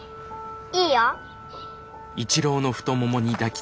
いいよ。